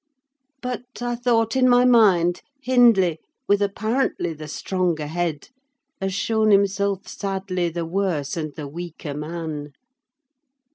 But, I thought in my mind, Hindley, with apparently the stronger head, has shown himself sadly the worse and the weaker man.